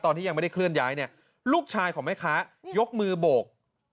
ที่ยังไม่ได้เคลื่อนย้ายเนี่ยลูกชายของแม่ค้ายกมือโบก